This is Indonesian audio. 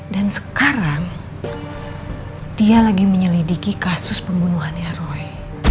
dan sekarang dia lagi menyelidiki kasus pembunuhannya roy